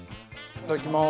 いただきます。